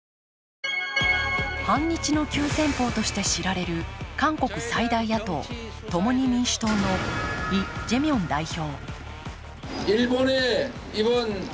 半日の急先ぽうとして知られる韓国最大野党共に民主党のイ・ジェミョン代表。